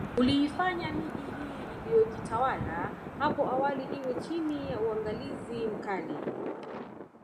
Kuliifanya miji hii iliyojitawala hapo awali iwe chini ya uangalizi mkali